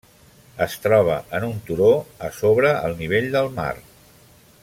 Es troba en un turó, a sobre el nivell del mar.